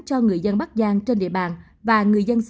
cho người dân bắc giang trên địa bàn và người dân xa quê